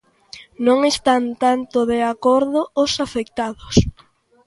Non están tanto de acordo os afectados.